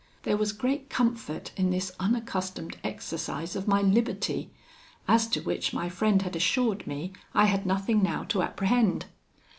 There was great comfort in this unaccustomed exercise of my liberty, as to which my friend had assured me I had nothing now to apprehend.